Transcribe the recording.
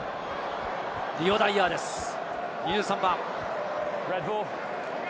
リオ・ダイアーです、２３番。